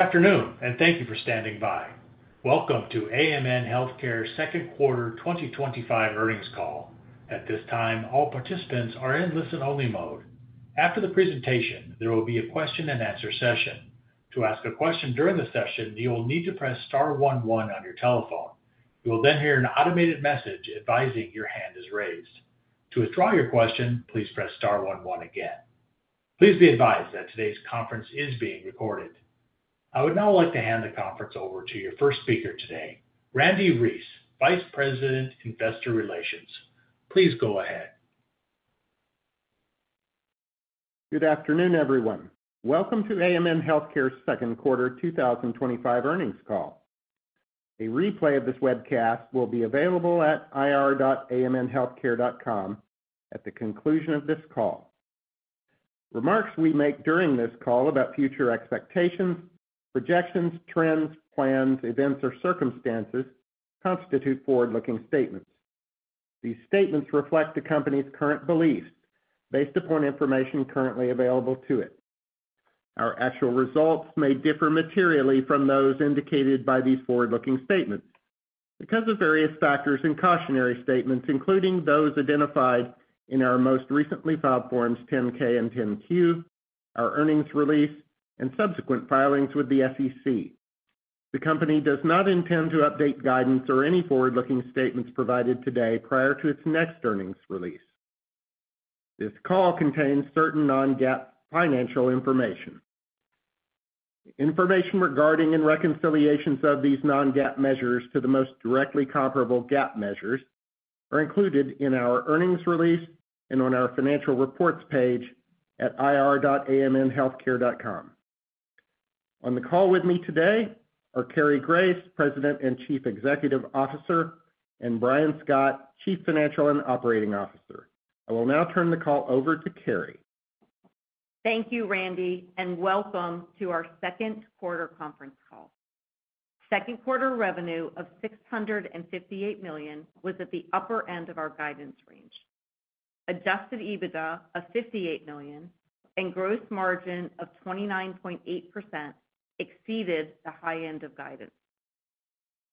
Good afternoon and thank you for standing by. Welcome to AMN Healthcare Second Quarter 2025 Earnings Call. At this time all participants are in listen-only mode. After the presentation there will be a question and answer session. To ask a question during the session you will need to press star 1 1 on your telephone. You will then hear an automated message advising your hand is raised. To withdraw your question, please press star 1 1 again. Please be advised that today's conference is being recorded. I would now like to hand the conference over to your first speaker today, Randy Reece, Vice President, Investor Relations. Please go ahead. Good afternoon everyone. Welcome to AMN Healthcare Second Quarter 2025 Earnings Call. A replay of this webcast will be available at ir.amnhealthcare.com at the conclusion of this call. Remarks we make during this call about future expectations, projections, trends, plans, events or circumstances constitute forward-looking statements. These statements reflect the company's current beliefs based upon information currently available to it. Our actual results may differ materially from those indicated by these forward-looking statements because of various factors and cautionary statements, including those identified in our most recently filed Forms 10-K and 10-Q, our earnings release, and subsequent filings with the SEC. The Company does not intend to update guidance or any forward-looking statements provided today prior to its next earnings release. This call contains certain non-GAAP financial information. Information regarding and reconciliations of these non-GAAP measures to the most directly comparable GAAP measures are included in our earnings release and on our Financial Reports page at ir.amnhealthcare.com. On the call with me today are Cary Grace, President and Chief Executive Officer, and Brian Scott, Chief Financial and Operating Officer. I will now turn the call over to Cary. Thank you, Randy, and welcome to our second quarter conference call. Second quarter revenue of $658 million was at the upper end of our guidance range. Adjusted EBITDA of $58 million and gross margin of 29.8% exceeded the high end of guidance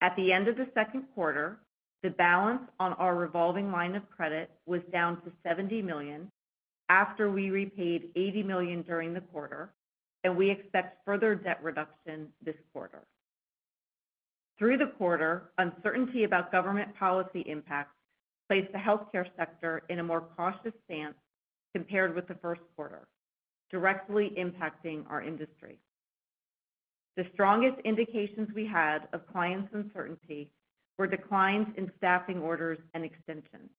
at the end of the second quarter. The balance on our revolving line of credit was down to $70 million after we repaid $80 million during the quarter, and we expect further debt reduction this quarter. Through the quarter, uncertainty about government policy impacts placed the healthcare sector in a more cautious stance compared with the first quarter, directly impacting our industry. The strongest indications we had of clients' uncertainty were declines in staffing orders and extensions.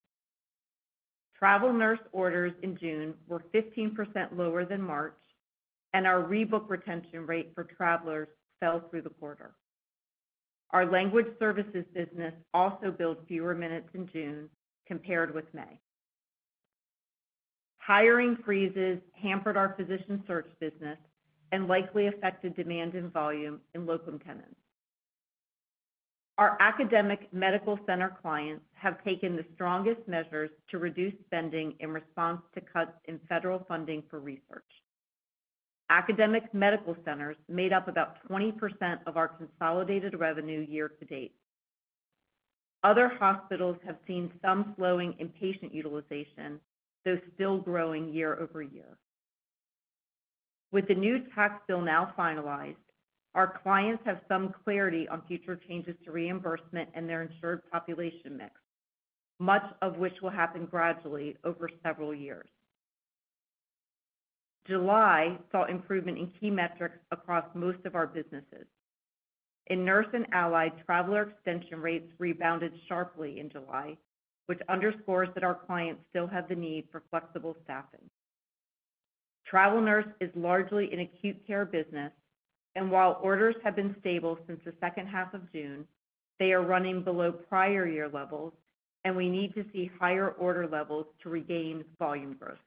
Travel nurse orders in June were 15% lower than March, and our rebook retention rate for travelers fell through the quarter. Our language services business also billed fewer minutes in June compared with May. Hiring freezes hampered our physician search business and likely affected demand and volume. In Locum tenens, our academic medical center clients have taken the strongest measures to reduce spending in response to cuts in federal funding for research. Academic medical centers made up about 20% of our consolidated revenue year to date. Other hospitals have seen some slowing in patient utilization, though still growing year-over-year. With the new test bill now finalized, our clients have some clarity on future changes to reimbursement and their insured population mix, much of which will happen gradually over several years. July saw improvement in key metrics across most of our businesses. In nurse and allied, traveler extension rates rebounded sharply in July, which underscores that our clients still have the need for flexible staffing. Travel nurse is largely an acute care business, and while orders have been stable since the second half of June, they are running below prior year levels, and we need to see higher order levels to regain volume growth.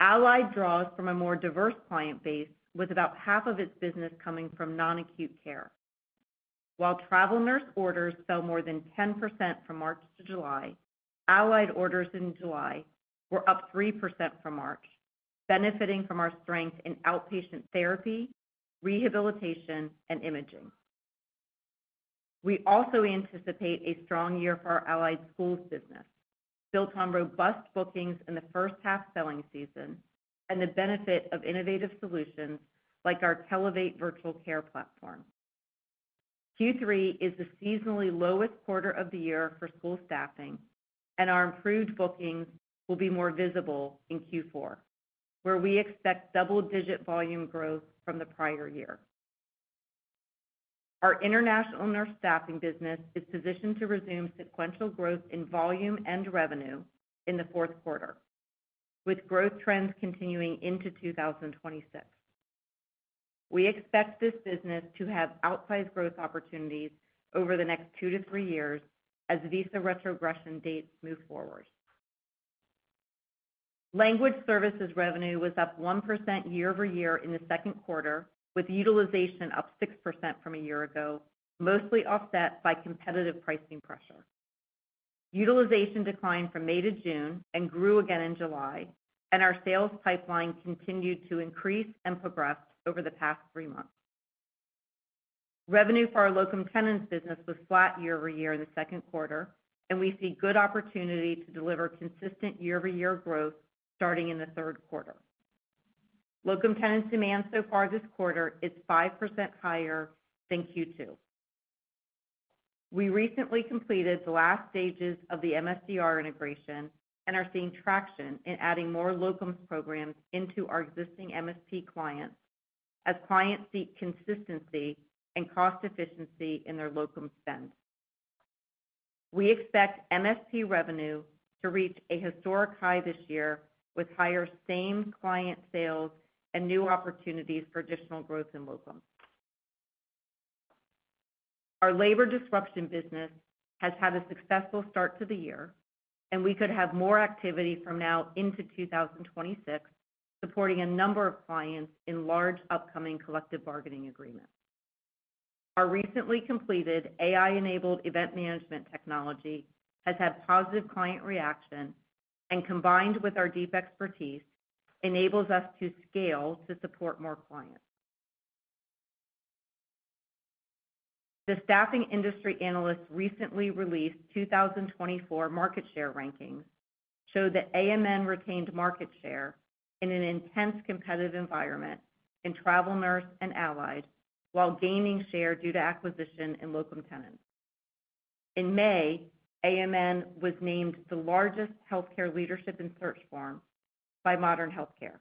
Allied draws from a more diverse client base, with about half of its business coming from non-acute care. While travel nurse orders fell more than 10% from our Q2 July, allied orders in July were up 3% from March, benefiting from our strength in outpatient therapy, rehabilitation, and imaging. We also anticipate a strong year for our Allied Schools business, built on robust bookings in the first half selling season and the benefit of innovative solutions like our Televate virtual care platform. Q3 is the seasonally lowest quarter of the year for school staffing, and our improved bookings will be more visible in Q4, where we expect double-digit volume growth from the prior year. Our international nurse staffing business is positioned to resume sequential growth in volume and revenue in the fourth quarter, with growth trends continuing into 2026. We expect this business to have outsized growth opportunities over the next two to three years as visa retrogression dates move forward. Language services revenue was up 1% year-over-year in the second quarter with utilization up 6% from a year ago, mostly offset by competitive pricing pressure. Utilization declined from May to June and grew again in July, and our sales pipeline continued to increase and progress over the past three months. Revenue for our Locum Tenens business was flat year over year in the second quarter, and we see good opportunity to deliver consistent year-over-year growth starting in the third quarter. Locum Tenens demand so far this quarter is 5% higher than Q2. We recently completed the last stages of the MSDR integration and are seeing traction in adding more Locums programs into our existing MSP clients. As clients seek consistency and cost efficiency in their locum spend, we expect MSP revenue to reach a historic high this year with higher same client sales and new opportunities for additional growth in Locum. Our labor disruption business has had a successful start to the year, and we could have more activity from now into 2026 supporting a number of clients in large upcoming collective bargaining agreements. Our recently completed AI-enabled event management technology has had positive client reaction, and combined with our deep expertise, enables us to scale to support more clients. The Staffing Industry Analysts recently released 2024 market share rankings showed that AMN retained market share in an intense competitive environment in travel nurse and allied while gaining share due to acquisition and locum tenens. In May, AMN was named the largest healthcare leadership and search firm by Modern Healthcare.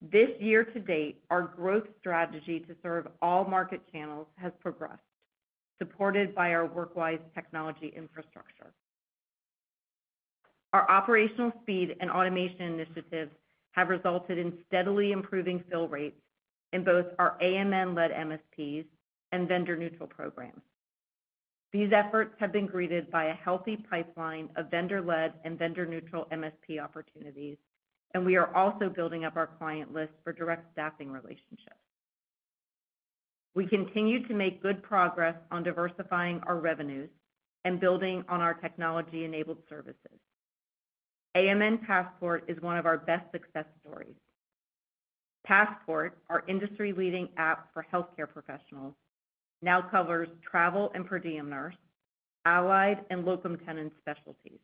This year to date, our growth strategy to serve all market channels has progressed, supported by our Workwise technology infrastructure. Our operational speed and automation initiatives have. Resulted in steadily improving fill rates in both our AMN-led MSPs and vendor-neutral programs. These efforts have been greeted by a healthy pipeline of vendor-led and vendor-neutral MSP opportunities, and we are also building up our client list for direct staffing relationships. We continue to make good progress on diversifying our revenues and building on our technology-enabled services. AMN Passport is one of our best success stories. Passport, our industry-leading app for healthcare professionals, now covers travel and per diem, nurse, allied, and locum tenens specialties.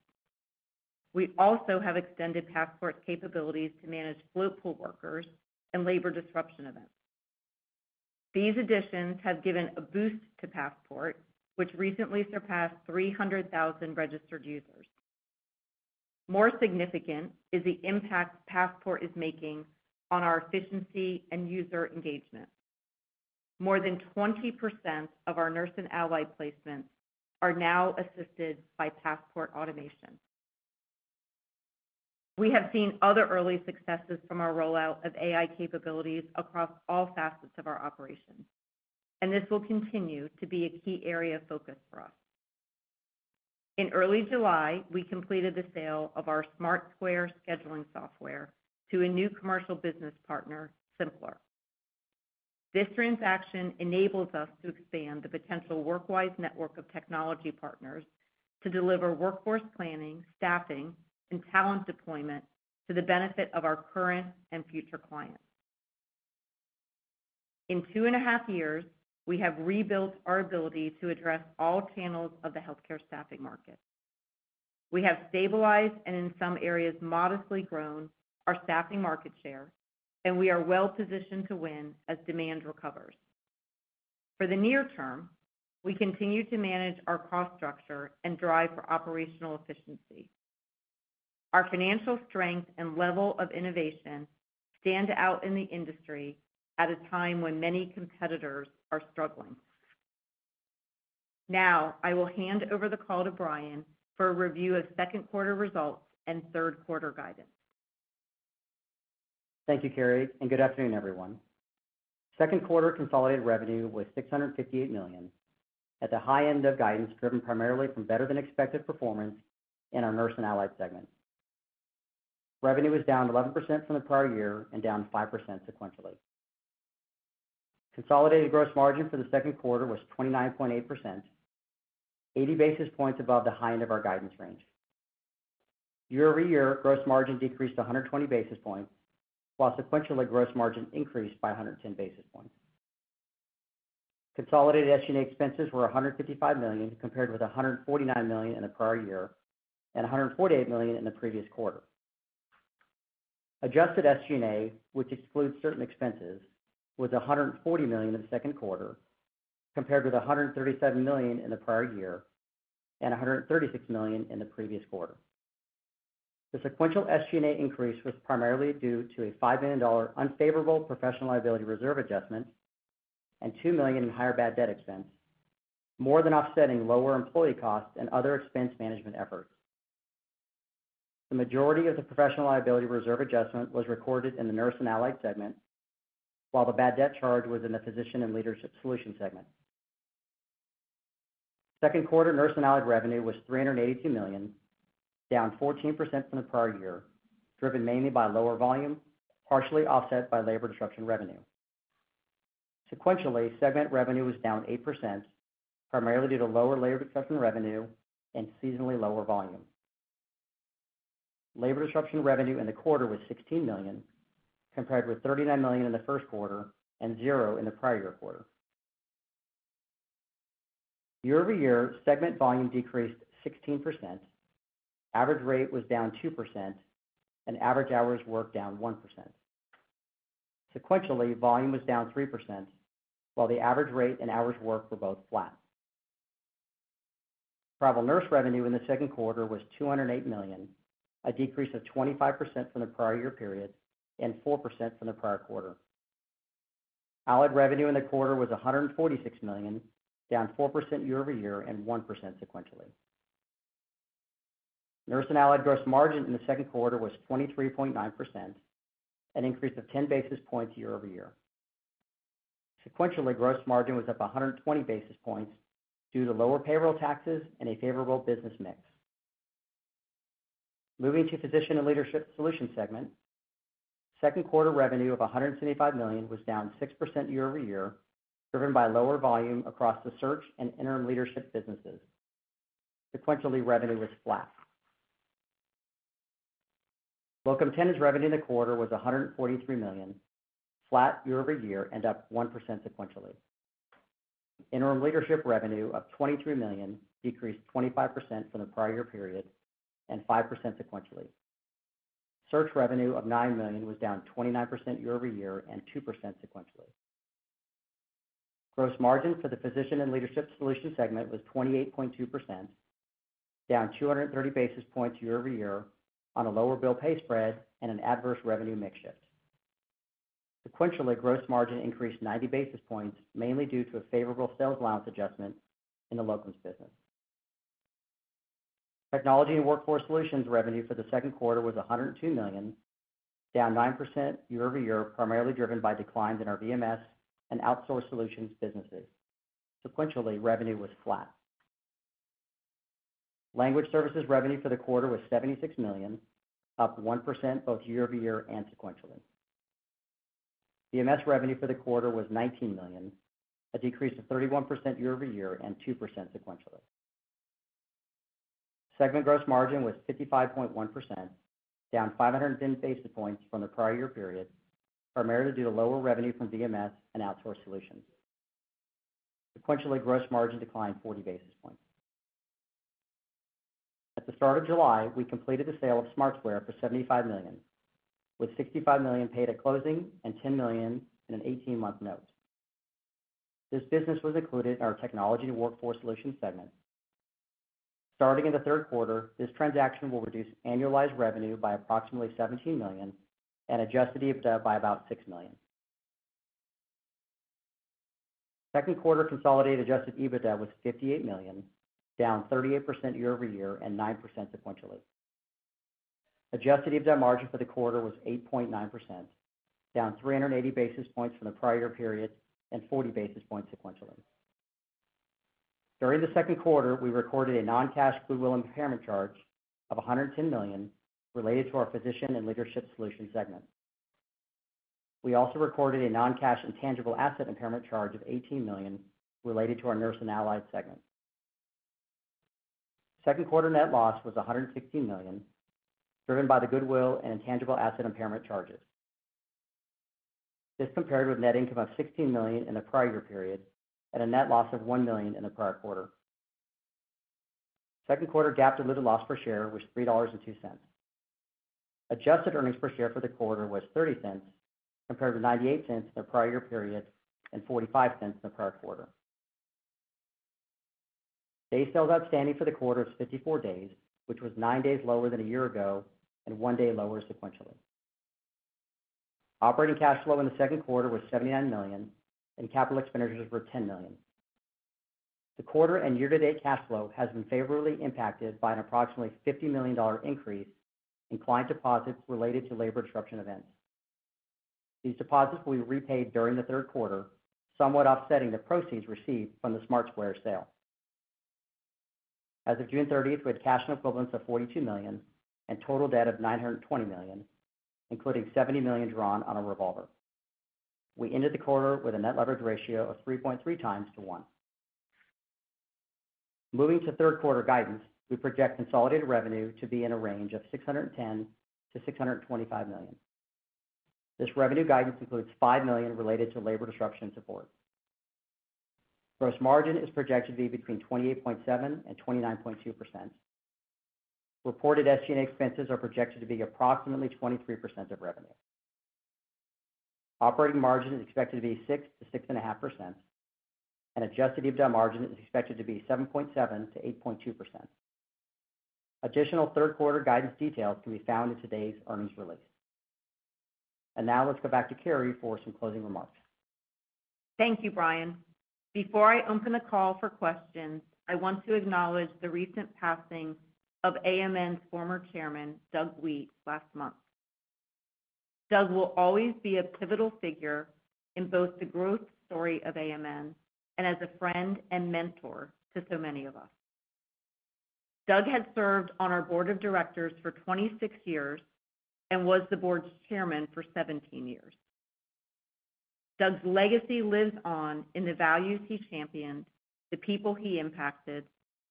We also have extended Passport capabilities to manage float pool workers and labor disruption events. These additions have given a boost to Passport, which recently surpassed 300,000 registered users. More significant is the impact Passport is making on our efficiency and user engagement. More than 20% of our nurse and allied placements are now assisted by Passport automation. We have seen other early successes from our rollout of AI capabilities across all facets of our operations, and this will continue to be a key area of focus for us. In early July, we completed the sale of our SmartSquare scheduling software to a new commercial business partner, symplr. This transaction enables us to expand the potential Workwise network of technology partners to deliver workforce planning, staffing, and talent deployment to the benefit of our current and future clients. In two and a half years, we have rebuilt our ability to address all channels of the healthcare staffing market. We have stabilized and in some areas modestly grown our staffing market share, and we are well positioned to win as demand recovers. For the near term, we continue to manage our cost structure and drive for operational efficiency. Our financial strength and level of innovation stand out in the industry at a time when many competitors are struggling. Now I will hand over the call to Brian for a review of second quarter results and third quarter guidance. Thank you Cary and good afternoon everyone. Second quarter consolidated revenue was $658 million at the high end of guidance, driven primarily from better than expected performance in our Nurse and Allied segment. Revenue was down 11% from the prior year and down 5% sequentially. Consolidated gross margin for the second quarter was 29.8%, 80 basis points above the high end of our guidance range. Year-over-year, gross margin decreased 120 basis points while sequentially gross margin increased by 110 basis points. Consolidated SG&A expenses were $155 million compared with $149 million in the prior year and $148 million in the previous quarter. Adjusted SG&A, which excludes certain expenses, was $140 million in the second quarter compared with $137 million in the prior year and $136 million in the previous quarter. The sequential SG&A increase was primarily due to a $5 million unfavorable professional liability reserve adjustment and $2 million in higher bad debt expense, more than offsetting lower employee costs and other expense management efforts. The majority of the professional liability reserve adjustment was recorded in the Nurse and Allied segment while the bad debt charge was in the Physician and Leadership Solutions segment. Second quarter Nurse and Allied revenue was $382 million, down 14% from the prior year, driven mainly by lower volume partially offset by labor disruption revenue. Sequentially, segment revenue was down 8% primarily due to lower labor disruption revenue and seasonally lower volume. Labor disruption revenue in the quarter was $16 million compared with $39 million in the first quarter and $0 in the prior year quarter. Year-over-year, segment volume decreased 16%, average rate was down 2%, and average hours were down 1%. Sequentially, volume was down 3% while the average rate and hours worked were both 1%. Travel nurse revenue in the second quarter was $208 million, a decrease of 25% from the prior year period and 4% from the prior quarter. Allied revenue in the quarter was $146 million, down 4% year-over-year and 1% sequentially. Nurse and Allied gross margin in the second quarter was 23.9%, an increase of 10 basis points year-over-year. Sequentially, gross margin was up 120 basis points due to lower payroll taxes and a favorable business mix. Moving to the Physician and Leadership Solutions segment, second quarter revenue of $175 million was down 6% year-over-year, driven by lower volume across the search and interim leadership businesses. Sequentially, revenue was flat. Locum tenens' revenue in the quarter was $143 million, flat year-over-year and up 1% sequentially. Interim leadership revenue of $23 million decreased 25% from the prior year period and 5% sequentially. Search revenue of $9 million was down 29% year-over-year and 2% sequentially. Gross margin for the Physician and Leadership Solutions segment was 28.2%, down 230 basis points year-over-year on a lower bill pay spread and an adverse revenue mix shift. Sequentially, gross margin increased 90 basis points mainly due to a favorable sales allowance adjustment in the locums business. Technology and Workforce Solutions revenue for the second quarter was $102 million, down 9% year-over-year, primarily driven by declines in our VMS and outsourced solutions businesses. Sequentially, revenue was flat. Language services revenue for the quarter was $76 million, up 1% both year-over-year and sequentially. VMS revenue for the quarter was $19 million, a decrease of 31% year-over-year and 2% sequentially. Segment gross margin was 55.1%, down 510 basis points from the prior year period, primarily due to lower revenue from VMS outsourced solutions. Sequentially, gross margin declined 40 basis points. At the start of July, we completed the sale of Smart Square for $75 million, with $65 million paid at closing and $10 million in an 18-month note. This business was included in our Technology and Workforce Solutions segment. Starting in the third quarter this transaction will reduce annualized revenue by approximately $17 million and adjusted EBITDA by about $6 million. Second quarter consolidated adjusted EBITDA was $58 million, down 38% year-over-year and 9% sequentially. Adjusted EBITDA margin for the quarter was 8.9%, down 380 basis points from the prior year period and 40 basis points sequentially. During the second quarter, we recorded a non-cash goodwill impairment charge of $110 million related to our Physician and Leadership Solutions segment. We also recorded a non-cash intangible asset impairment charge of $18 million related to our Nurse and Allied segment. Second quarter net loss was $116 million, driven by the goodwill and intangible asset impairment charges. This compared with net income of $16 million in the prior year period and a net loss of $1 million in the prior quarter. Second quarter GAAP diluted loss per share was $3.02. Adjusted earnings per share for the quarter was $0.30 compared with $0.98 in the prior year period and $0.45 in the prior quarter. Days sales outstanding for the quarter is 54 days, which was nine days lower than a year ago and one day lower sequentially. Operating cash flow in the second quarter was $79 million and capital expenditures were $10 million. The quarter and year to date cash flow has been favorably impacted by an approximately $50 million increase in client deposits related to labor disruption events. These deposits will be repaid during the third quarter, somewhat offsetting the proceeds received from the Smart Square sale. As of June 30th, with cash and equivalents of $42 million and total debt of $920 million, including $70 million drawn on a revolver, we ended the quarter with a net leverage ratio of 3.3x to 1. Moving to third quarter guidance, we project consolidated revenue to be in a range of $610 million-$625 million. This revenue guidance includes $5 million related to labor disruption support. Gross margin is projected to be between 28.7% and 29.2%. Reported SG&A expenses are projected to be approximately 23% of revenue. Operating margin is expected to be 6%-6.5% and adjusted EBITDA margin is expected to be 7.7%-8.2%. Additional third quarter guidance details can be found in today's earnings release. Now let's go back to Cary for some closing remarks. Thank you, Brian. Before I open the call for questions, I want to acknowledge the recent passing of AMN's former Chairman, Doug Wheat, last month. Doug will always be a pivotal figure in both the growth story of AMN and as a friend and mentor to so many of us. Doug had served on our Board of Directors for 26 years and was the Board's Chairman for 17 years. Doug's legacy lives on in the values he championed, the people he impacted,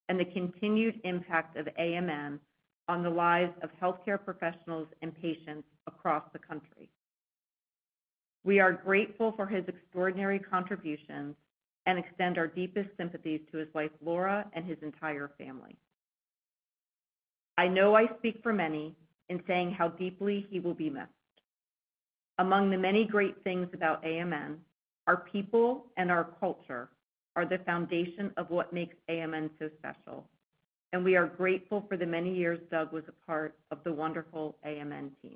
and the continued impact of AMN on the lives of healthcare professionals and patients across the country. We are grateful for his extraordinary contributions and extend our deepest sympathies to his wife, Laura, and his entire family. I know I speak for many in saying how deeply he will be missed. Among the many great things about AMN, our people and our culture are the foundation of what makes AMN so special. We are grateful for the many years Doug was a part of the wonderful AMN team.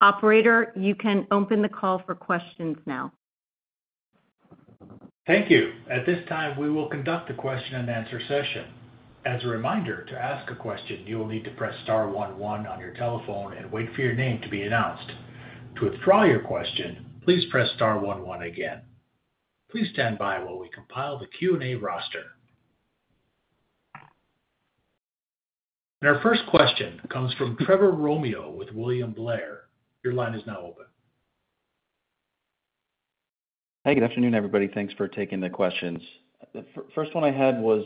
Operator, you can open the call for questions now. Thank you. At this time, we will conduct the question-and-answer session. As a reminder, to ask a question, you will need to press star 11 on your telephone and wait for your name to be announced. To withdraw your question, please press star 11 again. Please stand by while we compile the Q&A roster. Our first question comes from Trevor Romeo with William Blair. Your line is now open. Hey, good afternoon, everybody. Thanks for taking the questions. The first one I had was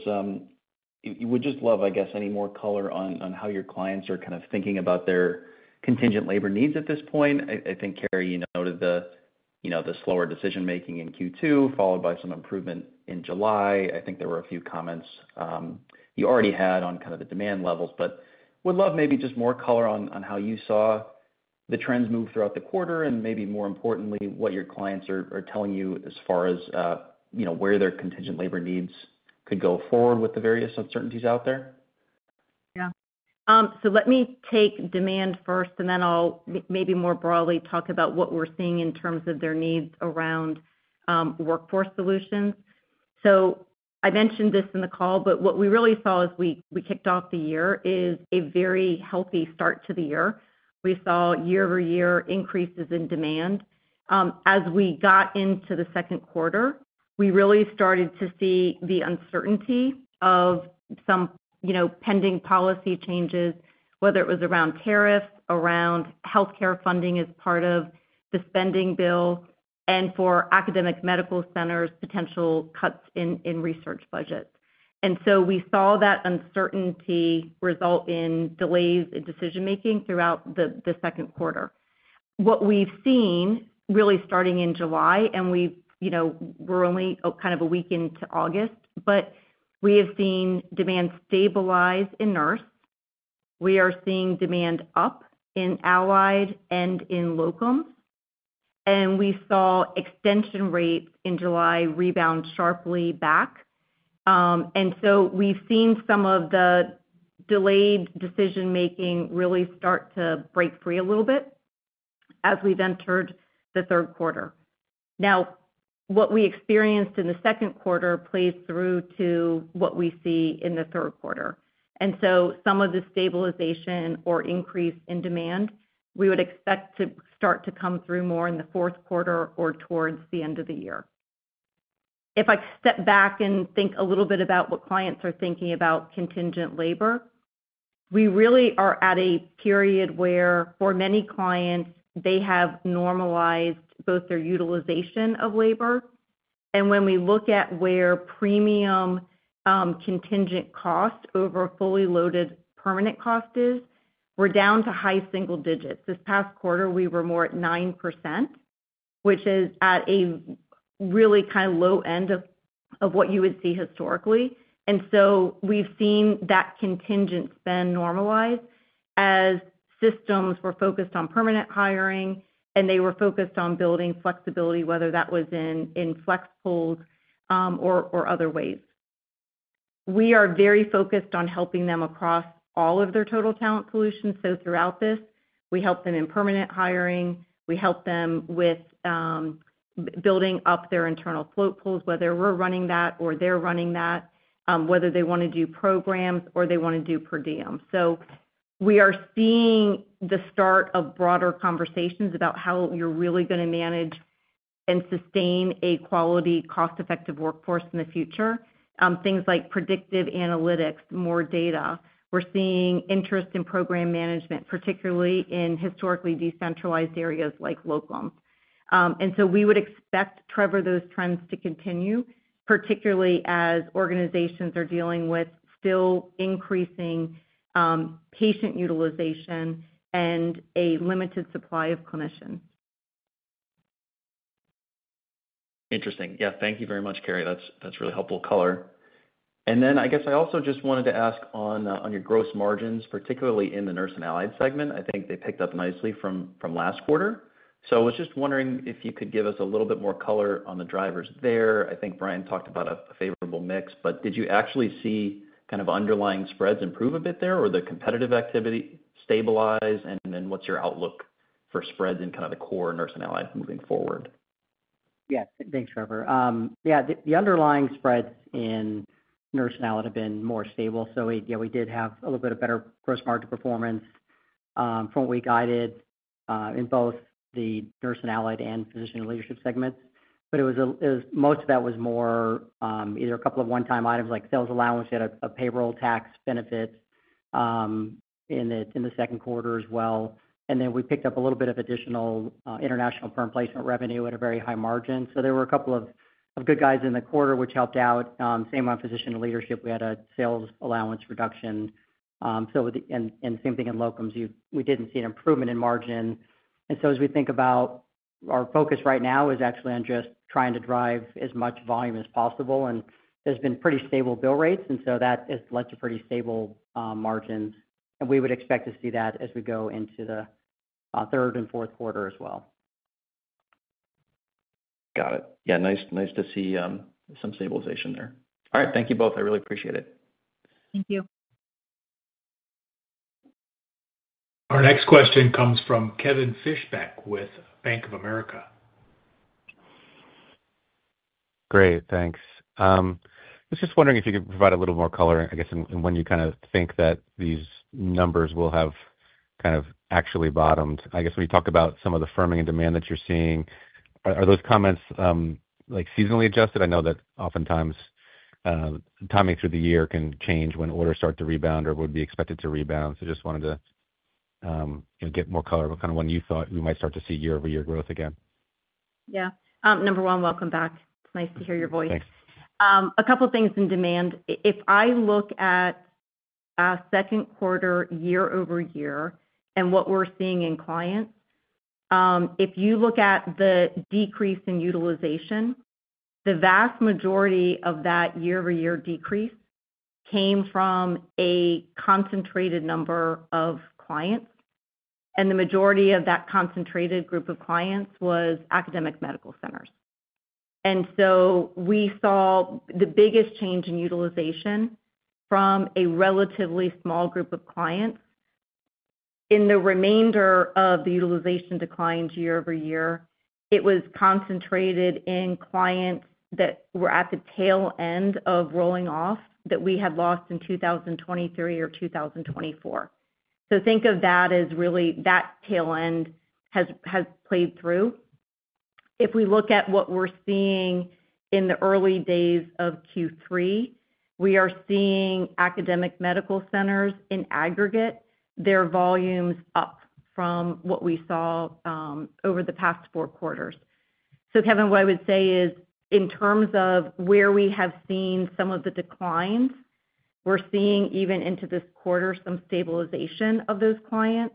I would just love, I guess, any more color on how your clients are kind of thinking about their contingent labor needs at this point. I think, Cary, you know, the slower decision making in Q2 followed by some improvement in July. I think there were a few comments you already had on the demand levels, but would love maybe just more color on how you saw the trends move throughout the quarter and maybe more importantly, what your clients are telling you as far as where their contingent labor needs could go forward with the various uncertainties out there. Yeah. Let me take demand first and then I'll maybe more broadly talk about what we're seeing in terms of their needs around workforce solutions. I mentioned this in the call, but what we really saw as we kicked off the year is a very healthy start to the year. We saw year-over-year increases in demand. As we got into the second quarter, we really started to see the uncertainty of some pending policy changes, whether it was around tariffs, around healthcare funding as part of the spending bill, and for academic medical centers, potential cuts in research budgets. We saw that uncertainty result in delays in decision making throughout the second quarter. What we've seen really starting in July, and we, you know, we're only kind of a week into August. We have seen demand stabilize in Nurse. We are seeing demand up in Allied and in Locum, and we saw extension rate in July rebound sharply back. We have seen some of the delayed decision making really start to break free a little bit as we've entered the third quarter. Now, what we experienced in the second quarter plays through to what we see in the third quarter. Some of the stabilization or increase in demand we would expect to start to come through more in the. Fourth quarter or towards the end of the year. If I step back and think a little bit about what clients are thinking about contingent labor, we really are at a period where for many clients, they have normalized both their utilization of labor, and when we look at where premium contingent cost over fully loaded permanent cost is, we're down to high single digits. This past quarter, we were more at 9%, which is at a really kind of low end of what you would see historically. We've seen that contingent spend normalize as systems were focused on permanent hiring and they were focused on building flexibility, whether that was in flex pools or other ways. We are very focused on helping them across all of their total talent solutions. Throughout this, we help them in permanent hiring, we help them with building up their internal float pools, whether we're running that or they're running that, whether they want to do programs or they want to do per diem. We are seeing the start of broader conversations about how you're really going to manage and sustain a quality, cost-effective workforce in the future. Things like predictive analytics, more data. We're seeing interest in program management, particularly in historically decentralized areas like locum. We would expect, Trevor, those trends to continue, particularly as organizations are dealing with still increasing patient utilization and a limited supply of clinicians. Interesting. Yeah, thank you very much, Cary. That's really helpful color. I also just wanted to ask on your gross margins, particularly in the Nurse and Allied segment. I think they picked up nicely from last quarter. I was just wondering if you could give us a little bit more color on the drivers there. I think Brian talked about a favorable mix, but did you actually see kind of underlying spreads improve a bit there or the competitive activity stabilize, and what's your outlook for spreads in kind of the core nursing allies moving forward? Yeah, thanks, Trevor. The underlying spreads in Nurse and Allied have been more stable. We did have a little bit of better gross margin performance from what we guided in both the Nurse and Allied, and Physician and Leadership segments. Most of that was more either a couple of one-time items like sales allowance and a payroll tax benefit in the second quarter as well. We picked up a little bit of additional international firm placement revenue at a very high margin. There were a couple of good guys in the quarter which helped out. Same on Physician and Leadership, we had a sales allowance reduction. Same thing in locums. We didn't see an improvement in margin. As we think about it, our focus right now is actually on just trying to drive as much volume as possible. There's been pretty stable bill rates and that has led to pretty stable margins and we would expect to see that as we go into the third and fourth quarter as well. Got it. Yeah, nice to see some stabilization there. All right, thank you both. I really appreciate it. Thank you. Our next question comes from Kevin Fischbeck with Bank of America. Great, thanks. I was just wondering if you could provide a little more color. When you kind of think that these numbers will have actually bottomed, when you talk about some of the firming in demand that you're seeing, are those comments like seasonally adjusted? I know that oftentimes timing through the year can change when orders start to rebound or would be expected to rebound. Just wanted to get more color on when you thought you might start to see year over year growth again. Yeah. Number one, welcome back. It's nice to hear your voice. A couple things in demand. If I look at second quarter year over year and what we're seeing in clients, if you look at the decrease in utilization, the vast majority of that year over year decrease came from a concentrated number of clients, and the majority of that concentrated group of clients was academic medical centers. We saw the biggest change in utilization from a relatively small group of clients. In the remainder of the utilization declines year over year, it was concentrated in clients that were at the tail end of rolling off that we had lost in 2023 or 2024. Think of that as really that tail end has played through. If we look at what we're seeing in the early days of Q3, we are seeing academic medical centers in aggregate, their volumes up from what we saw over the past four quarters. Kevin, what I would say is in terms of where we have seen some of the declines, we're seeing even into this quarter some stabilization of those clients,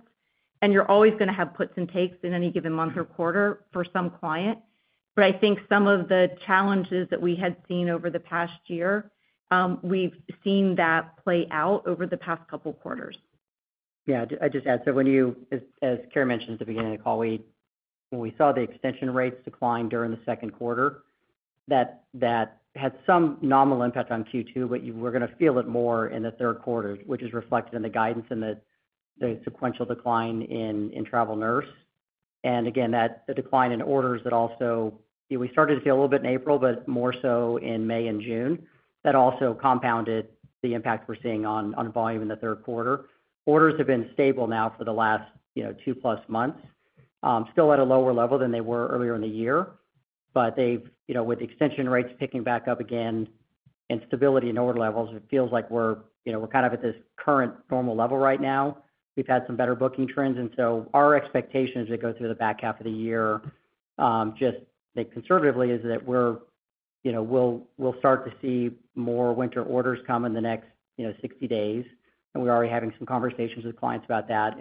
and you're always going to have puts and takes in any given month or quarter for some client. I think some of the challenges that we had seen over the past year, we've seen that play out over the past couple quarters. Yeah, I'd just add, when you, as Cary mentioned at the beginning of the call, when we saw the extension rates decline during the second quarter, that had some nominal impact on Q2, but we're going to feel it more in the third quarter, which is reflected in the guidance and the sequential decline in travel nurse and again that decline in orders that also we started to feel a little bit in April, but more so in May and June. That also compounded the impact we're seeing on volume in the third quarter. Orders have been stable now for the last two plus months, still at a lower level than they were earlier in the year. They've, you know, with extension rates picking back up again and stability in order levels, it feels like we're, you know, we're kind of at this current point normal level right now. We've had some better booking trends. Our expectation as we go through the back half of the year just conservatively is that we're, you know, we'll start to see more winter orders come in the next, you know, 60 days. We're already having some conversations with clients about that.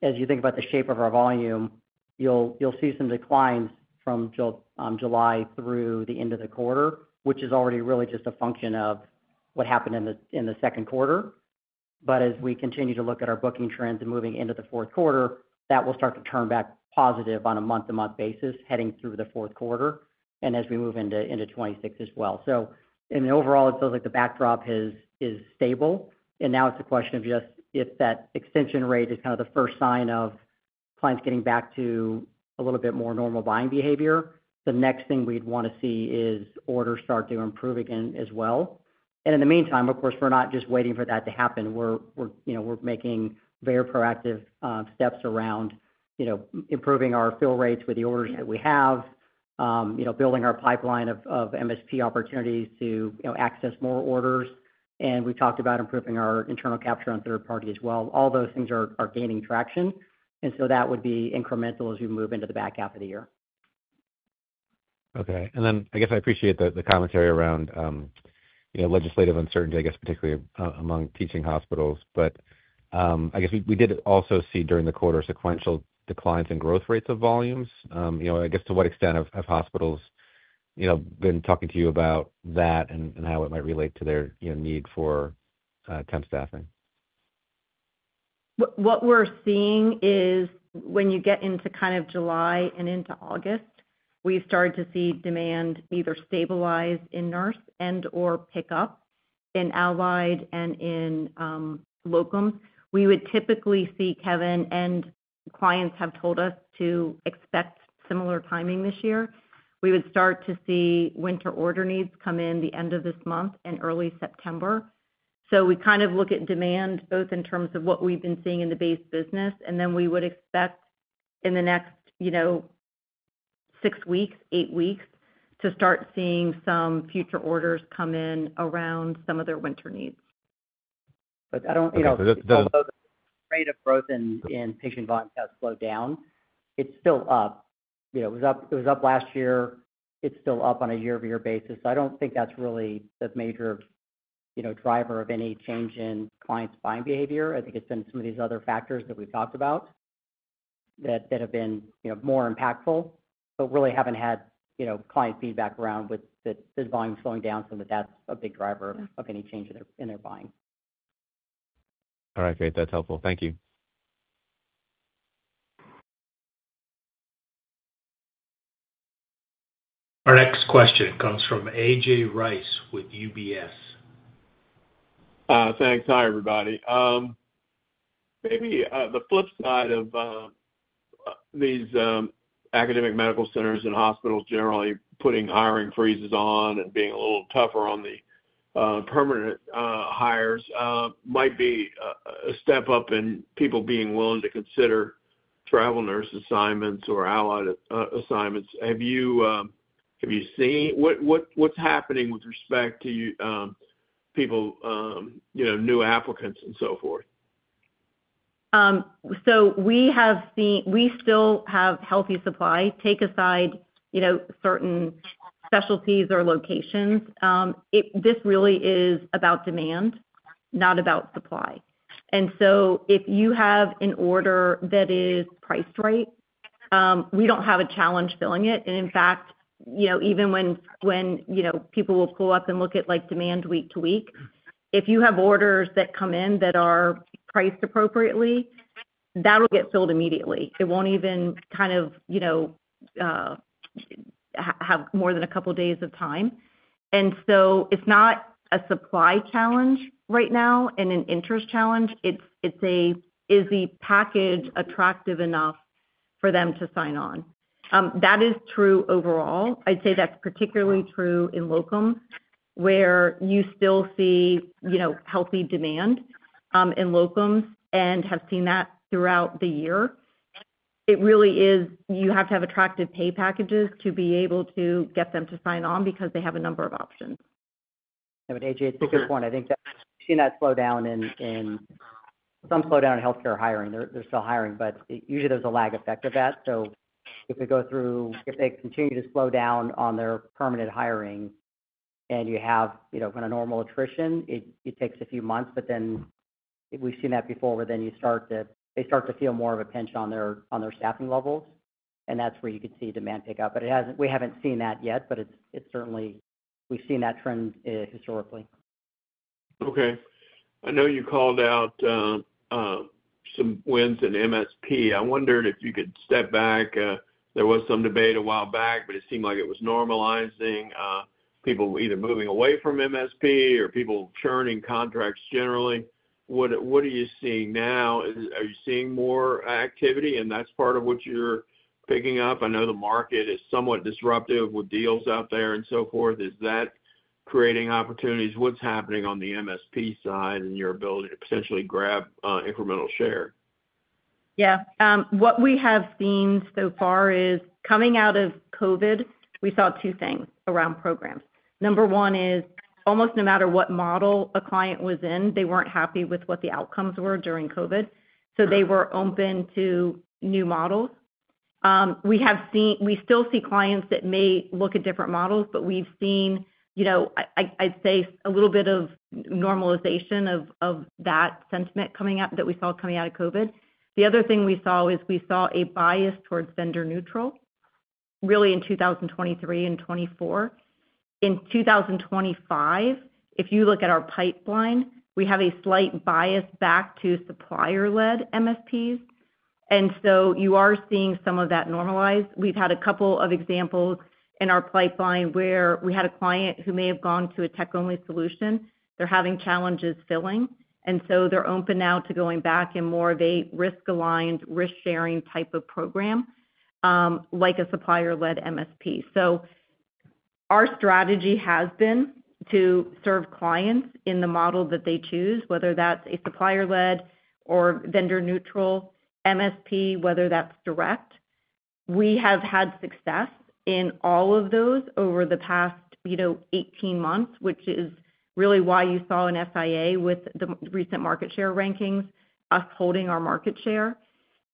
As you think about the shape of our volume, you'll see some declines from July through the end of the quarter, which is already really just a function of what happened in the second quarter. As we continue to look at our booking trends and moving into the fourth quarter, that will start to turn back positive on a month-to-month basis heading through the fourth quarter and as we move into 2026 as well. Overall, it feels like the backdrop is stable. Now it's a question of just if that extension rate is kind of the first sign of clients getting back to a little bit more normal buying behavior, the next thing we'd want to see is orders start to improve again as well. In the meantime, of course, we're not just waiting for that to happen. We're making very proactive steps around improving our fill rates with the orders that we have, building our pipeline of MSP opportunities to access more orders. We talked about improving our internal capture on third party as well. All those things are gaining traction. That would be incremental as you move into the back half of the year. Okay. I appreciate the commentary around legislative uncertainty, particularly among teaching hospitals. We did also see during the quarter sequential declines in growth rates of volumes. To what extent have hospitals been talking to you about that and how it might relate to their need for temp staffing? What we're seeing is when you get into kind of July and into August, we started to see demand either stabilize in nurse and or pick up, in allied and in locum, we would typically see Kevin, and clients have told us to expect similar timing this year. We would start to see winter order needs come in the end of this month and early September. We kind of look at demand both in terms of what we've been seeing in the base business, and then we would expect in the next six weeks, eight weeks to start seeing some future orders come in around some of their winter needs. Although the rate of growth in patient volume has slowed down, it's still up. It was up last year. It's still up on a year-over-year basis. I don't think that's really the major driver of any change in clients' buying behavior. I think it's been some of these other factors that we've talked about that have been more impactful, but really haven't had client feedback around with volume slowing down. That's a big driver of any change in their buying. All right, great. That's helpful. Thank you. Our next question comes from A.J. Rice with UBS. Thanks. Hi, everybody. Maybe the flip side of these academic medical centers and hospitals generally putting hiring freezes on and being a little tougher on the permanent hires might be a step up in people being willing to consider travel nurse assignments or allied assignments. Have you seen what's happening with respect to people, you know, new applicants and so forth? We still have healthy supply. Take aside certain specialties or locations. This really is about demand, not about supply. If you have an order that is priced right, we don't have a challenge filling it. In fact, even when people will pull up and look at demand week to week, if you have orders that come in that are priced appropriately, that will get filled immediately. It won't even have more than a couple days of time. It's not a supply challenge right now, in an interest challenge. It's a package attractive enough for them to sign on. That is true overall, I'd say that's particularly true in locum, where you still see healthy demand in locums and have seen that throughout the year. It really is, you have to have attractive pay packages to be able to get them to sign on because they have a number of options. It's a good point. I think that in that slowdown, in some slowdown in healthcare hiring, they're still hiring, but usually there's a lag effect of that. If they continue to slow down on their permanent hiring and you have, you know, kind of normal attrition, it takes a few months, but we've seen that before where they start to feel more of a pinch on their staffing levels. That's where you could see demand pick up. It hasn't. We haven't seen that yet, but we've seen that trend historically. Okay. I know you called out some wins in MSP. I wondered if you could step back. There was some debate a while back, but it seemed like it was normalizing. People either moving away from MSP or people churning contracts generally. What are you seeing now? Are you seeing more activity and that's part of what you're picking up? I know the market is somewhat disruptive with deals out there and so forth. Is that creating opportunities, what's happening on the MSP side and your ability to potentially grab incremental share? Yeah. What we have seen so far is coming out of COVID we saw two things around programs. Number one is almost no matter what model a client was in, they weren't happy with what the outcomes were during COVID, so they were open to new models. We still see clients that may look at different models, but we've seen, you know, I'd say a little bit of normalization of that sentiment coming out that we saw coming out of COVID. The other thing we saw is we saw a bias towards vendor neutral really in 2023 and 2024. In 2025, if you look at our pipeline, we have a slight bias back to supplier led MSPs, and you are seeing some of that normalize. We've had a couple of examples in our pipeline where we had a client who may have gone to a tech only solution. They're having challenges filling, and they're open now to going back in more of a risk aligned, risk sharing type of program like a supplier led MSP. Our strategy has been to serve clients in the model that they choose, whether that's a supplier led or vendor neutral MSP, whether that's direct. We have had success in all of those over the past 18 months, which is really why you saw an FIA with the recent market share rankings upholding our market share.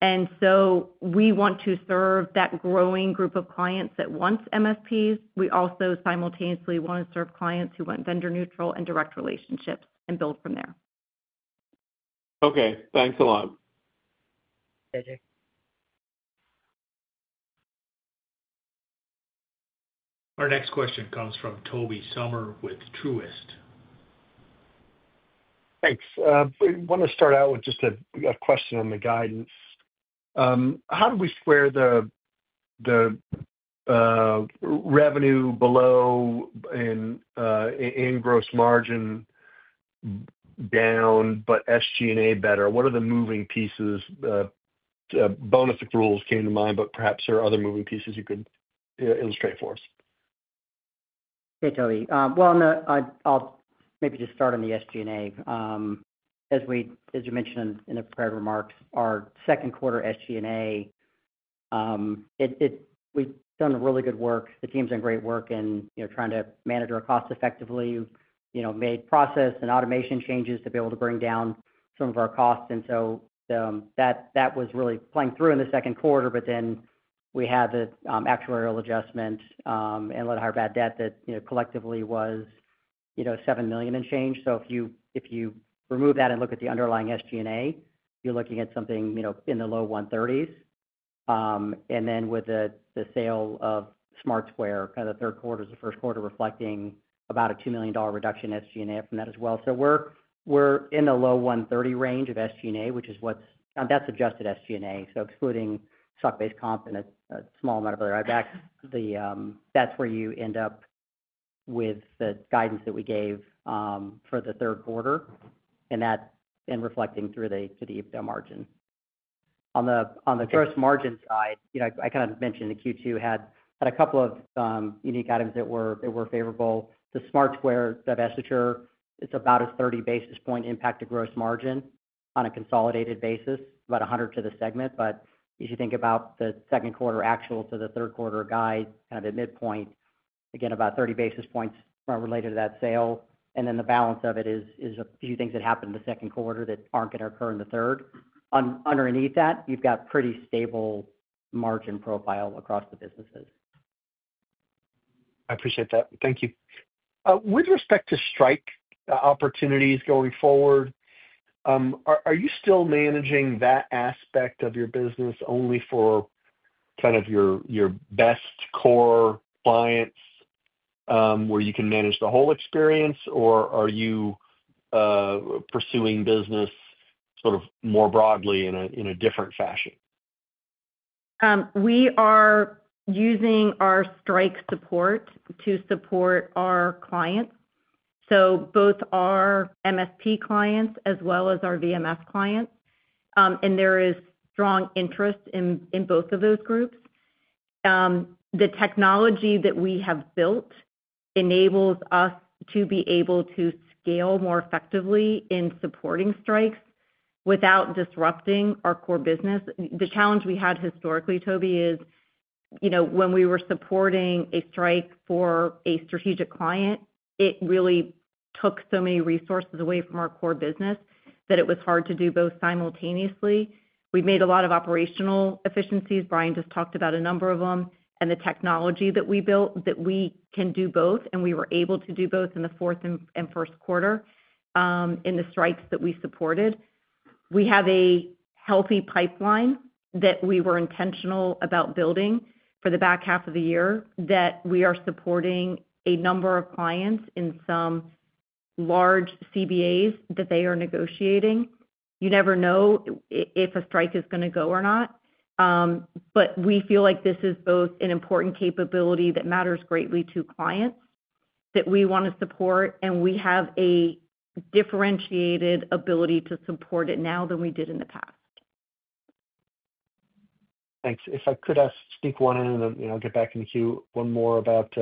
We want to serve that growing group of clients that want MSPs. We also simultaneously want to serve clients who want vendor neutral and direct relationships and build from there. Okay, thanks a lot. Our next question comes from Tobey Sommer with Truist. Thanks. Want to start out with just a question on the guidance. How do we square the revenue below in gross margin down, but SG&A better? What are the moving pieces? Bonus rules came to mind, but perhaps there are other moving pieces you could illustrate for us. Hey Tobey. I'll maybe just start on the SG&A. As we mentioned in the prepared remarks, our second quarter SG&A, we've done really good work. The team's done great work in trying to manage our costs effectively. Made process and automation changes to be able to bring down some of our costs, and that was really playing through in the second quarter. We had the actuarial adjustments and higher bad debt that collectively was $7 million and change. If you remove that and look at the underlying SG&A, you're looking at something in the low $130 million range, and with the sale of Smart Square, kind of third quarter, first quarter, reflecting about a $2 million reduction in SG&A from that as well. We're in the low $130 million range of SG&A, which is what that suggested SG&A is. Excluding stock-based comp and a small amount of other buybacks, that's where you end up with the guidance that we gave for the third quarter. That's reflecting through the EBITDA margin. On the gross margin side, I kind of mentioned the Q2 had a couple of unique items that were favorable. The Smart eSquare divestiture is about a 30 basis point impact to gross margin on a consolidated basis, about 100 to the segment. If you think about the second quarter actual to the third quarter guide, kind of at midpoint, again about 30 basis points related to that sale. The balance of it is a few things that happened in the second quarter that aren't going to occur in the third quarter. Underneath that, you've got pretty stable margin profile across the businesses. I appreciate that. Thank you. With respect to stripe opportunities going forward, are you still managing that aspect of your business only for kind of your best core clients where you can manage the whole experience, or are you pursuing business more broadly in a different fashion? We are using our strike support to support our clients, both our MSP clients as well as our VMS clients, and there is strong interest in both of those groups. The technology that we have built enables us to be able to scale more effectively in supporting strikes without disrupting our core business. The challenge we had historically, Tobey, is, you know, when we were supporting a strike for a strategic client, it really took so many resources away from our core business that it was hard to do both simultaneously. We've made a lot of operational efficiencies. Brian just talked about a number of them and the technology that we built that we can do both. We were able to do both in the fourth and first quarter in the strikes that we supported. We have a healthy pipeline that we were intentional about building for the back half of the year that we are supporting a number of clients in some large CBAs that they are negotiating. You never know if a strike is going to go or not. We feel like this is both an important capability that matters greatly to clients that we want to support, and we have a differentiated ability to support it now than we did in the past. Thanks. If I could sneak one and I'll get back in the queue. One more about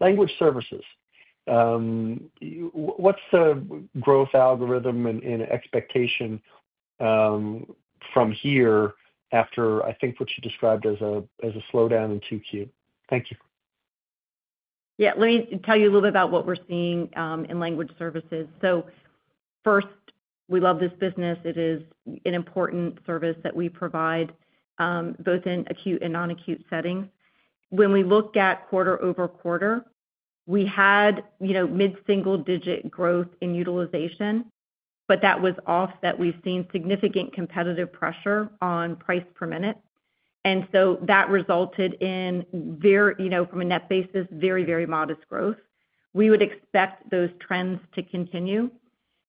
language services. What's the growth algorithm and expectation from here after what you described as a slowdown in 2Q? Thank you. Yeah. Let me tell you a little bit about what we're seeing in language services. First, we love this business. It is an important service that we provide both in acute and non-acute settings. When we look at quarter over quarter, we had mid single digit growth in utilization, but that was offset. We've seen significant competitive pressure on price per minute, and that resulted in, from a net basis, very, very modest growth. We would expect those trends to continue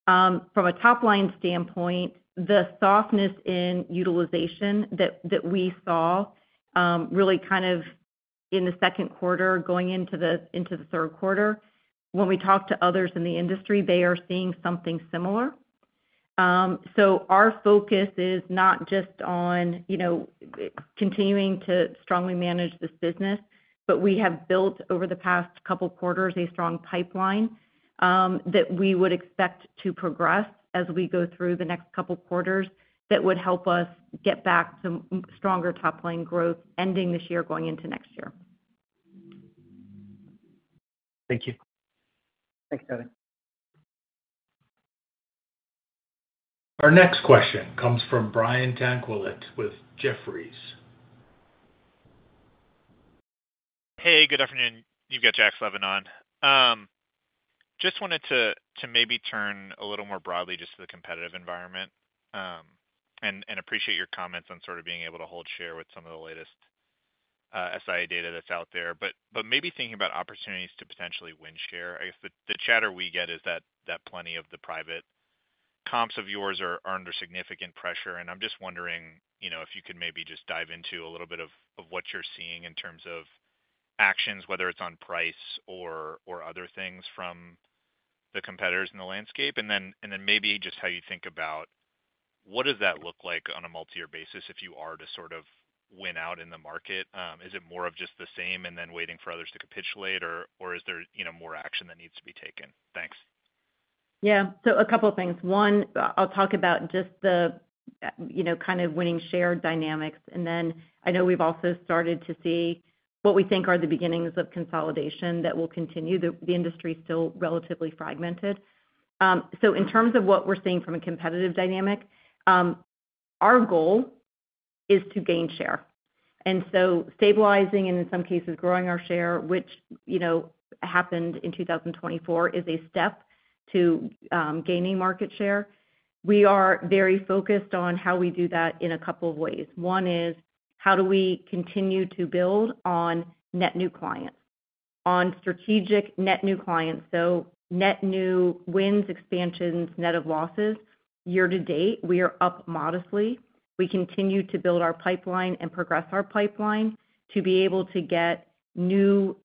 from a top line standpoint. The softness in utilization that we saw really kind of in the second quarter going into the third quarter, when we talk to others in the industry, they are seeing something similar. Our focus is not just on continuing to strongly manage this business, but we have built over the past couple quarters a strong pipeline that we would expect to progress as we go through the next couple quarters that would help us get back to stronger top line growth ending this year, going into next year. Thank you. Thanks, Tobey. Our next question comes from Brian Tanquilut with Jefferies. Hey, good afternoon. You've got Jack Slevin on. Just wanted to maybe turn a little more broadly to the competitive environment and appreciate your comments on being able to hold share with some of the latest data that's out there, but maybe thinking about opportunities to potentially win share. I guess the chatter we get is that plenty of the private comps of yours are under significant pressure and I'm just wondering if you can maybe dive into a little bit of what you're seeing in terms of actions, whether it's on price or other things from the competitors in the landscape and then how you think about what that looks like on a multi-year basis if you are to win out in the market. Is it more of just the same and waiting for others to capitulate or is there more action that needs to be taken? Thanks. Yeah. A couple of things. One, I'll talk about just the kind of winning share dynamics, and then I know we've also started to see what we think are the beginnings of consolidation that will continue. The industry is still relatively fragmented. In terms of what we're seeing from a competitive dynamic, our goal is to gain share. Stabilizing and in some cases growing our share, which happened in 2024, is a step to gaining market share. We are very focused on how we do that in a couple of ways. One is how do we continue to build on net new clients, on strategic net new clients, so net new wins, expansions, net of losses. Year to date we are up modestly. We continue to build our pipeline and progress our pipeline to be able to get new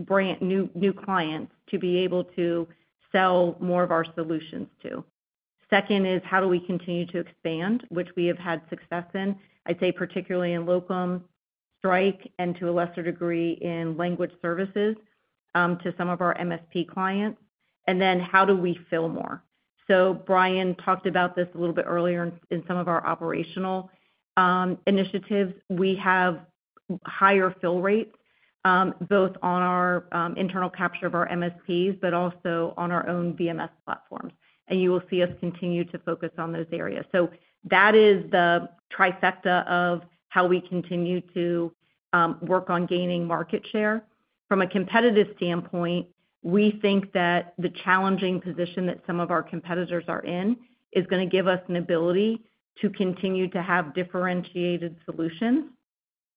brand new clients, to be able to sell more of our solutions to. Second is how do we continue to expand, which we have had success in, I'd say particularly in Locum Strike and to a lesser degree in language services to some of our MSP clients. Then how do we fill more? Brian talked about this a little bit earlier. In some of our operational initiatives we have higher fill rates both on our internal capture of our MSPs, but also on our own VMS platforms. You will see us continue to focus on those areas. That is the trifecta of how we continue to work on gaining market share from a competitive standpoint. We think that the challenging position that some of our competitors are in is going to give us an ability to continue to have differentiated solutions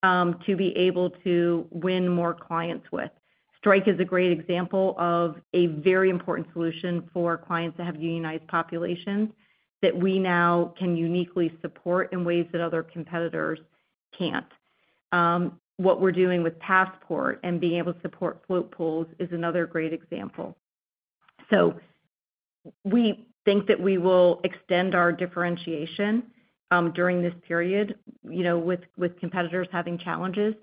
to be able to win more clients. Strike is a great example of a very important solution for clients that have unionized populations that we now can uniquely support in ways that other competitors can't. What we're doing with Passport and being able to support float pools is another great example. We think that we will extend our differentiation during this period, with competitors having challenges.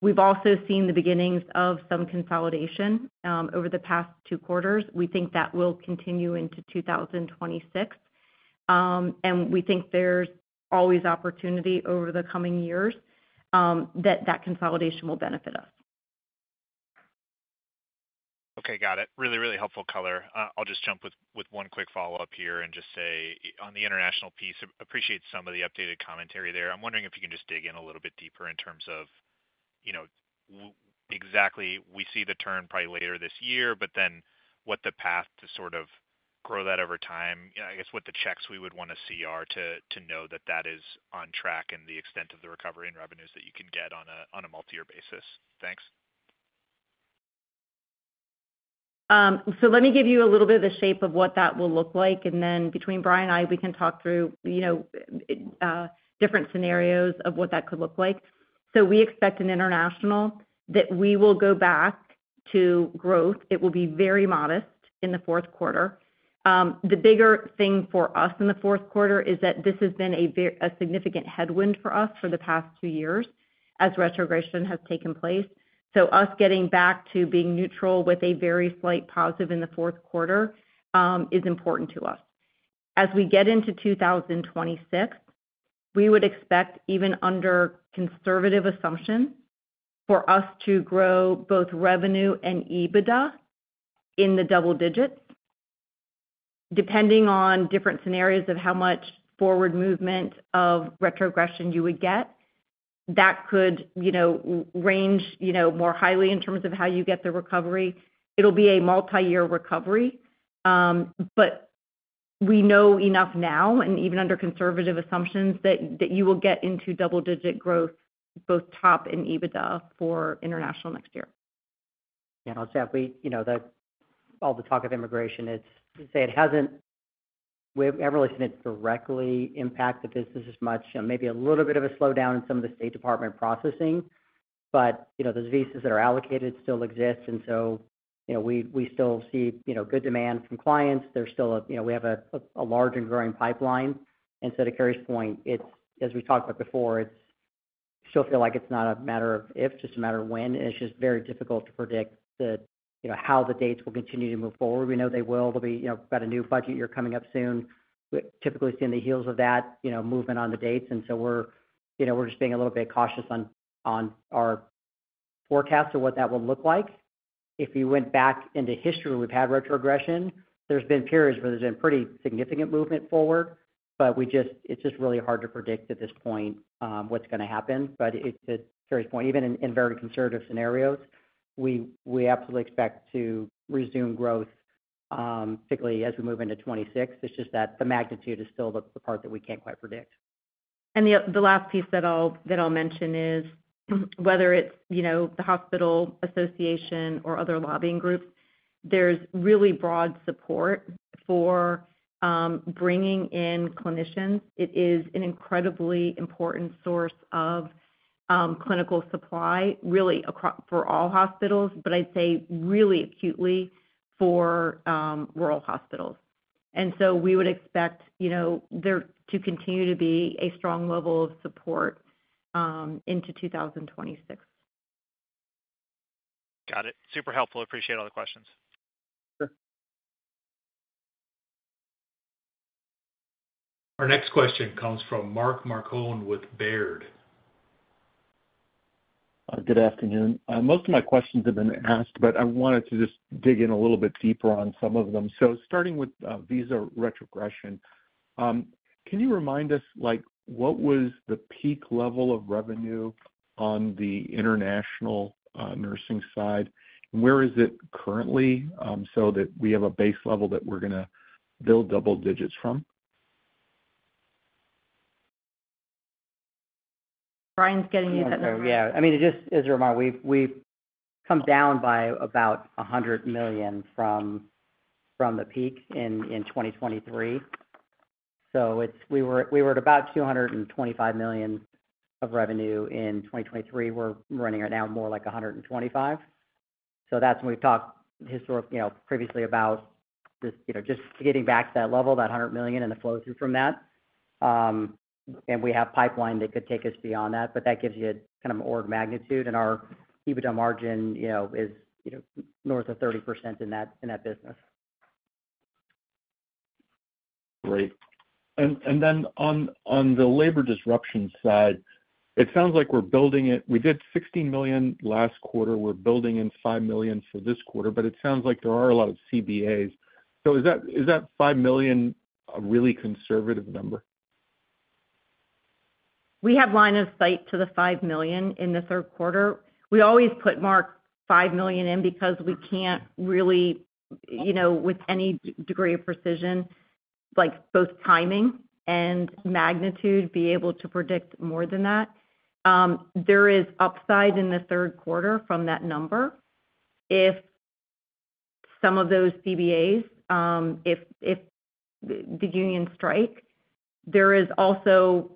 We've also seen the beginnings of some consolidation over the past two quarters. We think that will continue into 2026, and we think there's always opportunity over the coming years that consolidation will benefit us. Okaxy, got it. Really, really helpful color. I'll just jump with one quick follow-up here and just say on the international piece, appreciate some of the updated commentary there. I'm wondering if you can just dig in a little bit deeper in terms of, you know, exactly. We see the turn probably later this year, but then what the path to sort of grow that over time is. I guess what the checks we would want to see are to know that that is on track and the extent of the recovery in revenues that you can get on a multi-year basis. Thanks. Let me give you a little bit of the shape of what that will look like, and then between Brian and I, we can talk through different scenarios of what that could look like. We expect in international that we will go back to growth. It will be very modest in the fourth quarter. The bigger thing for us in the fourth quarter is that this has been a significant headwind for us for the past two years as retrogression has taken place. Us getting back to being neutral with a very slight positive in the fourth quarter is important to us. As we get into 2026, we would expect even under conservative assumption for us to grow both revenue and EBITDA in the double digit. Depending on different scenarios of how much forward movement of retrogression you would get, that could range more highly in terms of how you get the recovery. It will be a multi-year recovery, but we know enough now and even under conservative assumptions that you will get into double digit growth, both top and EBITDA for international next year. I'll say that all the talk of immigration, you say it hasn't, we haven't really seen it directly impact the business as much, maybe a little bit of a slowdown in some of the State Department processing. Those visas that are allocated still exist. We still see good demand from clients. There's still a large and growing pipeline and to Cary's point, as we talked about before, still feel like it's not a matter of if, just a matter of when. It's just very difficult to predict how the dates will continue to move forward. We know they will be, got a new budget year coming up soon. We typically see on the heels of that movement on the dates. We're just being a little bit cautious on our forecast of what that will look like if you went back into history. We've had retrogression. There have been periods where there's been pretty significant movement forward. It's just really hard to predict at this point what's going to happen. Even in very conservative scenarios, we absolutely expect to resume growth, particularly as we move into 2026. It's just that the magnitude is still the part that we can't quite predict. The last piece that I'll mention is whether it's the hospital association or other lobbying groups. There's really broad support for bringing in clinicians. It is an incredibly important source of clinical supply really for all hospitals, really acutely for rural hospitals. We would expect there to continue to be a strong level of support into 2026. Got it. Super helpful. Appreciate all the questions. Our next question comes from Mark Marcon with Baird. Good afternoon. Most of my questions have been asked, but I wanted to just dig in a little bit deeper on some of them. Starting with visa retrogression, can you remind us, like, what was the peak level of revenue on the international nursing side? Where is it currently so that we have a base level that we're going to build double digits from? Brian is getting you. Yeah, I mean, it just is a reminder. We've come down by about $100 million from the peak in 2023. We were at about $225 million of revenue in 2023. We're running right now more like $125 million. That's when we've talked historic, you know, previously about this, you know, just getting back to that level, that $100 million and the flow through from that. We have pipeline that could take us beyond that, but that gives you kind of order magnitude. Our EBITDA margin, you know, is, you know, north of 30% in that business. Great. On the labor disruption side, it sounds like we're building it. We did $16 million last quarter. We're building in $5 million for this quarter. It sounds like there are a lot of CBAs. Is that $5 million a really conservative number? We have line of sight to the $5 million in the third quarter. We always put mark $5 million in because we can't really, you know, with any degree of precision, like both timing and magnitude, be able to predict more than that. There is upside in the third quarter from that number if some of those CBAs, if the union strike. There is also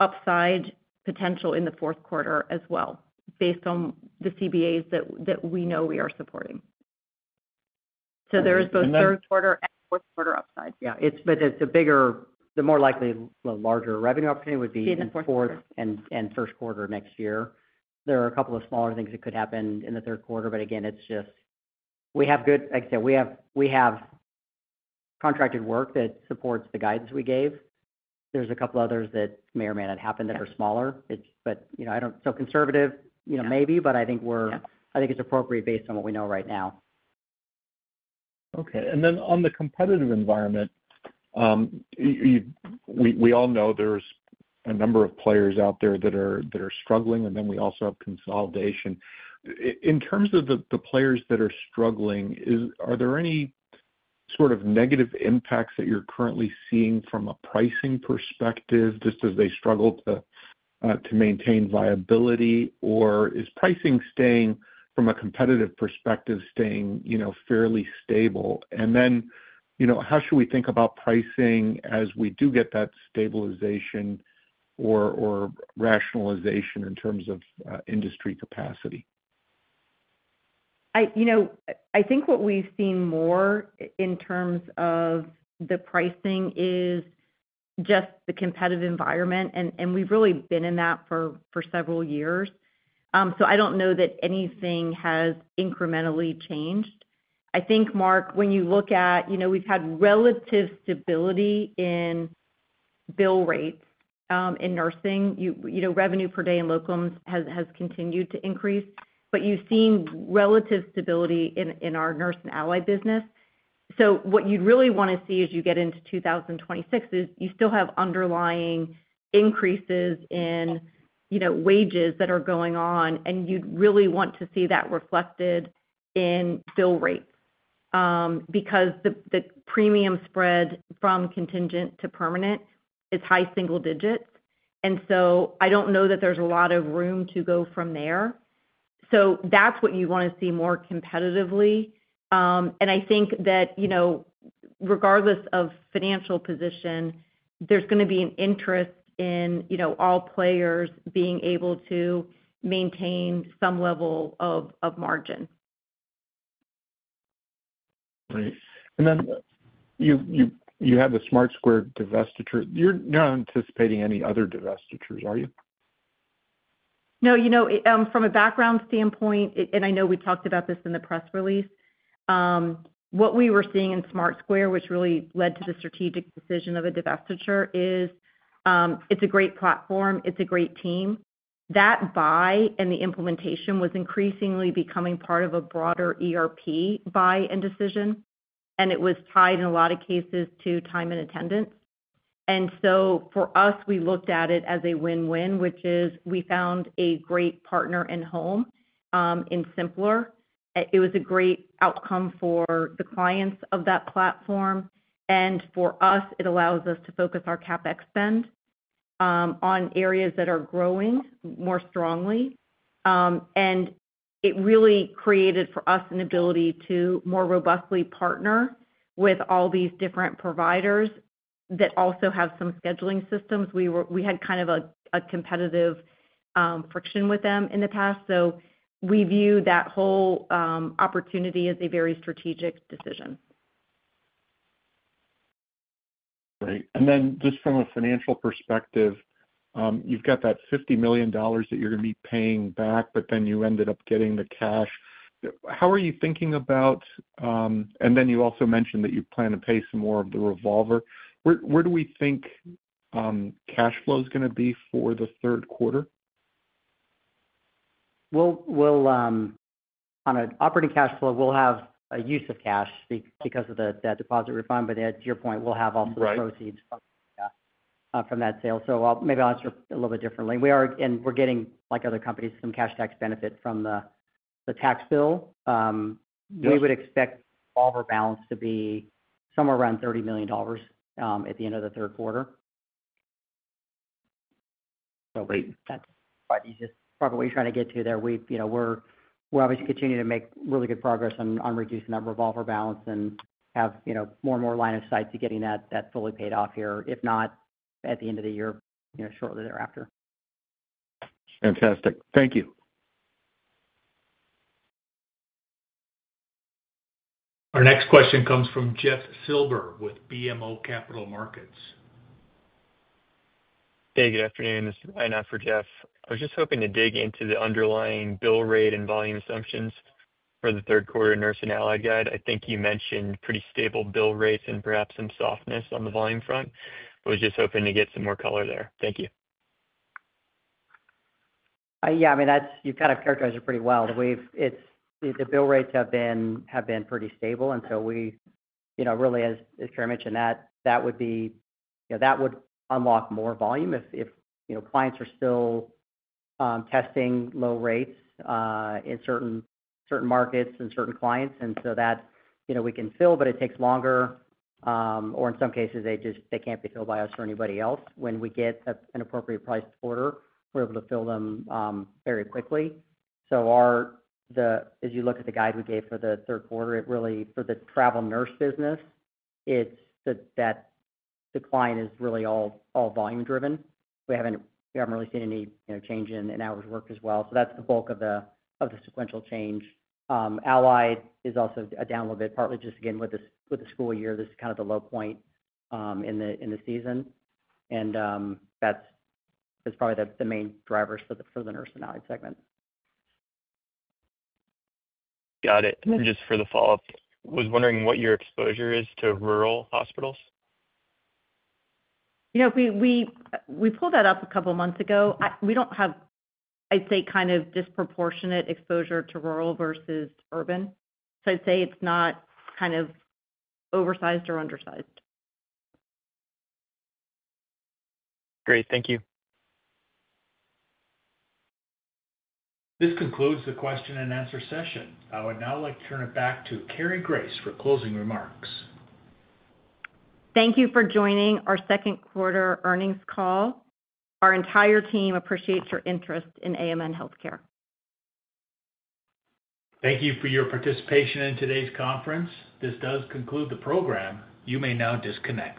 upside down potential in the fourth quarter as well, based on the CBAs that we know we are supporting. There is both third quarter and fourth quarter upside. Yeah, it's a bigger. The more likely, larger revenue opportunity would be fourth and first quarter next year. There are a couple of smaller things that could happen in the third quarter. We have contracted work that supports the guidance we gave. There's a couple others that may or may not happen that are smaller. I don't feel conservative, you know, maybe, but I think it's appropriate based on what we know right now. Okay. On the competitive environment, we all know there's a number of players out there that are struggling, and we also have consolidation. In terms of the players that are struggling, are there any sort of negative impacts that you're currently seeing from a pricing perspective just as they struggle to maintain viability, or is pricing from a competitive perspective staying fairly stable? How should we think about pricing as we do get that stabilization or rationalization in terms of industry capacity? I think what we've seen more in terms of the pricing is just the competitive environment. We've really been in that for several years. I don't know that anything has incrementally changed. I think, Mark, when you look at, you know, we've had relative stability in bill rates in nursing. Revenue per day in locums has continued to increase, but you've seen relative stability in our Nurse and Allied business. What you'd really want to see as you get into 2026 is you still have underlying increases in, you know, wages that are going on. You'd really want to see that reflected in bill rates because the premium spread from contingent to permanent is high single digits. I don't know that there's a lot of room to go from there. That is what you want to see more competitively. I think that, you know, regardless of financial position, there's going to be an interest in all players being able to maintain some level of margin. Right. You have the Smart Square divestiture. You're not anticipating any other divestitures, are you? No. You know, from a background standpoint, and I know we talked about this in the press release, what we were seeing in Smart Square, which really led to the strategic decision of a divestiture, is it's a great platform, it's a great team that buy and the implementation was increasingly becoming part of a broader ERP buy and decision. It was tied in a lot of cases to time and attendance. For us, we looked at it as a win-win, which is we found a great partner and home in symplr. It was a great outcome for the clients of that platform and for us, it allows us to focus our CapEx spend on areas that are growing more strongly. It really created for us an ability to more robustly partner with all these different providers that also have some scheduling systems. We had kind of a competitive friction with them in the past. We view that whole opportunity as a very strategic decision. Right. From a financial perspective, you've got that $50 million that you're going to be paying back, but then you ended up getting the cash. How are you thinking about that? You also mentioned that you plan to pay some more of the revolver. Where do we think cash flow is going to be for the third quarter? On an operating cash flow, we'll have a use of cash because of the debt deposit refund. To your point, we'll have all the proceeds from that sale. Maybe I'll answer a little bit differently. We are, and we're getting like other companies, some cash tax benefit from the tax bill. We would expect revolver balance to be somewhere around $30 million at the end of the third quarter. That's just probably what you're trying to get to there. We're obviously continuing to make really good progress on reducing that revolver balance and have more and more line of sight to getting that fully paid off here, if not at the end of the year, shortly thereafter. Fantastic. Thank you. Our next question comes from Jeff Silber with BMO Capital Markets. Hey, good afternoon. This is [Aina] for Jeff. I was just hoping to dig into the underlying bill rate and volume assumptions for the third quarter Nurse and Allied guide, I think you mentioned pretty stable bill rates and perhaps some softness on the volume front. We're just hoping to get some more color there. Thank you. Yeah, I mean you kind of characterize it pretty well. The bill rates have been pretty stable and, as Cary mentioned, that would unlock more volume if clients are still testing low rates in certain markets and certain clients. We can fill, but it takes longer, or in some cases they just can't be filled by us or anybody else. When we get an appropriate price order, we're able to fill them very quickly. As you look at the guide we gave for the third quarter, for the travel nurse business, it's really all volume driven. We haven't really seen any change in hours worked as well. That's the bulk of the sequential change. Allied is also down a little bit, partly just again with the school year. This is kind of the low point in the season, and that's probably the main drivers for the Nurse and Allied segment. Got it. Just for the follow-up, was wondering what your exposure is to rural hospitals. You know, we pulled that up a couple months ago. We don't have, I'd say, kind of disproportionate exposure to rural versus urban. I'd say it's not kind of oversized or undersized. Great, thank you. This concludes the question and answer session. I would now like to turn it back to Cary Grace for closing remarks. Thank you for joining our second quarter earnings call. Our entire team appreciates your interest in AMN Healthcare Services Inc. Thank you for your participation in today's conference. This does conclude the program. You may now disconnect.